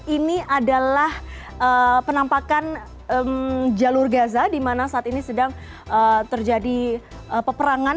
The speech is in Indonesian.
ini adalah penampakan jalur gaza di mana saat ini sedang terjadi peperangan